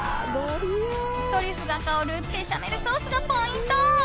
トリュフが香るベシャメルソースがポイント。